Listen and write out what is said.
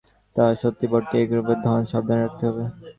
তা সত্যি বটে, এ কৃপণের ধন, সাবধানে রাখতে হবে।